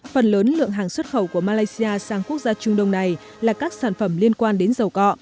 phần lớn lượng hàng xuất khẩu của malaysia sang quốc gia trung đông này là các sản phẩm liên quan đến dầu cọ